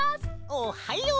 おっはよう！